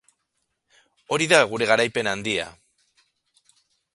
Hori da gure garaipen handia.